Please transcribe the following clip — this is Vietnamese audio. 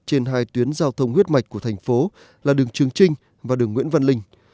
trên hai tuyến giao thông huyết mạch của thành phố là đường trường trinh và đường nguyễn văn linh